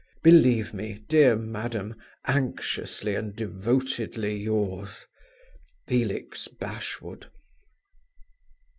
"Believe me, dear madam, anxiously and devotedly yours, FELIX BASHWOOD."